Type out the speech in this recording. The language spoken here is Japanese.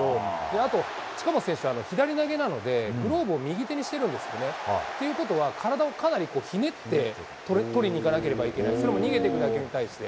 あと近本選手、左投げなので、グローブを右にしてるんですね。ということは、体をかなりひねって捕りにいかなければいけない、それも逃げていく打球に対して。